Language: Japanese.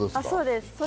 そうです。